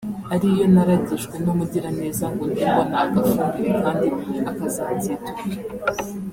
ari iyo naragijwe n’umugiraneza ngo njye mbona agafumbire kandi akazanziturira